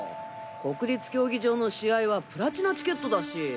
国立競技場の試合はプラチナチケットだし！